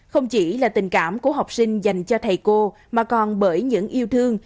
không chỉ là tình cảm của học sinh dành cho thầy cô mà còn bởi những yêu thương